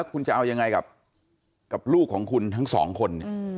คุณจะเอายังไงกับลูกของคุณทั้งสองคน